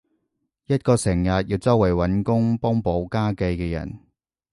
一個成日要周圍搵工幫補家計嘅人